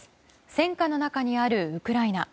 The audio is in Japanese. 戦禍の中にあるウクライナ。